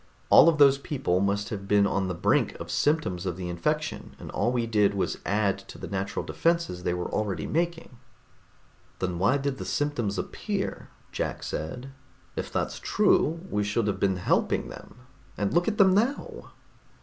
All of those people must have been on the brink of symptoms of the infection, and all we did was add to the natural defenses they were already making." "Then why did the symptoms appear?" Jack said. "If that's true, we should have been helping them, and look at them now!"